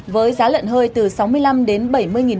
với giá lợn hơi từ sáu mươi năm đến bảy mươi đồng